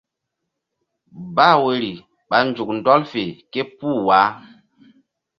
Bah woyri ɓa nzuk ɗɔl fe képuh wah.